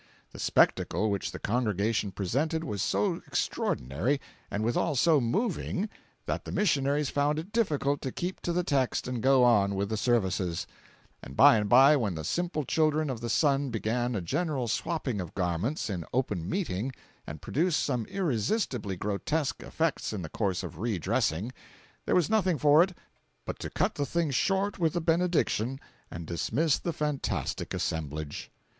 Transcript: The spectacle which the congregation presented was so extraordinary and withal so moving, that the missionaries found it difficult to keep to the text and go on with the services; and by and by when the simple children of the sun began a general swapping of garments in open meeting and produced some irresistibly grotesque effects in the course of re dressing, there was nothing for it but to cut the thing short with the benediction and dismiss the fantastic assemblage.